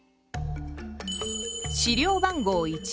資料番号１。